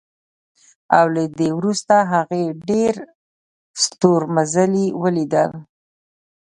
او له دې وروسته هغې ډېر ستورمزلي ولیدل